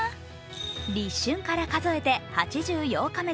立春から数えて８４日目。